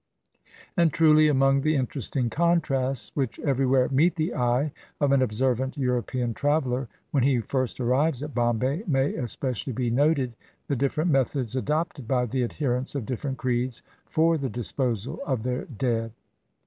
And truly among the interesting contrasts which everywhere meet the eye of an observant European traveler, when he first arrives at Bombay, may espe cially be noted the different methods adopted by the adherents of different creeds for the disposal of their dead.